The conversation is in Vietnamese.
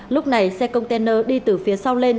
lúc này xe container đi từ phía sau lên